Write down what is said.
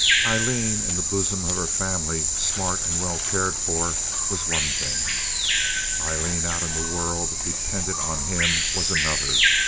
Aileen in the bosom of her family, smart and well cared for, was one thing. Aileen out in the world dependent on him was another.